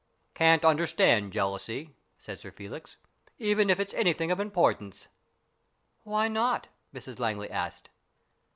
"Can't understand jealousy," said Sir Felix, " even if it's anything of importance." "Why not?" Mrs Langley asked.